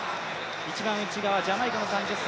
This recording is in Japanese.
一番内側、ジャマイカの３０歳。